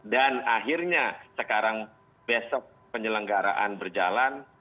dan akhirnya sekarang besok penyelenggaraan berjalan